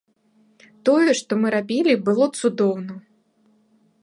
Тое, што мы рабілі, было цудоўна.